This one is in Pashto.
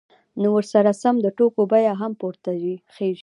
نو ورسره سم د توکو بیه هم پورته خیژي